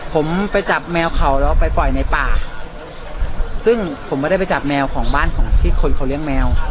ผมไปจับแมวเขาแล้วไปปล่อยในป่าซึ่งผมไม่ได้ไปจับแมวของบ้านของที่คนเขาเลี้ยงแมว